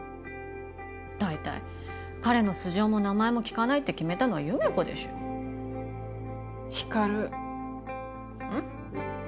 大体彼の素性も名前も聞かないって決めたのは優芽子でしょ光琉うん？